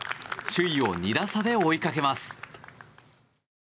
首位を２打差で追いかけます。